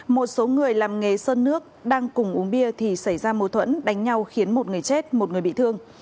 một số người làm nghề sơn nước đang cùng uống bia thì xảy ra mâu thuẫn đánh nhau khiến một người chết một người bị thương